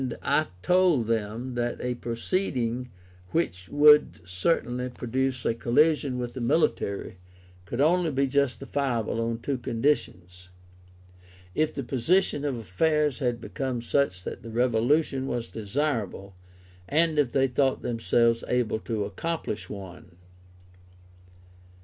I told them that a proceeding which would certainly produce a collision with the military, could only be justifiable on two conditions: if the position of affairs had become such that a revolution was desirable, and if they thought themselves able to accomplish one.